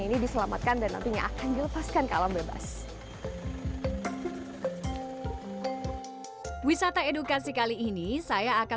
ini diselamatkan dan nantinya akan dilepaskan ke alam bebas wisata edukasi kali ini saya akan